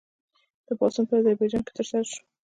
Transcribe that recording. دا پاڅون په اذربایجان کې ترسره شو.